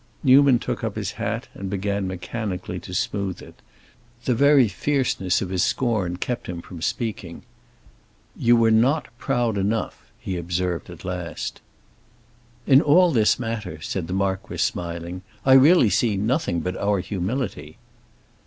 Newman took up his hat and began mechanically to smooth it; the very fierceness of his scorn kept him from speaking. "You are not proud enough," he observed at last. "In all this matter," said the marquis, smiling, "I really see nothing but our humility."